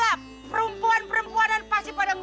eh gue yang telfon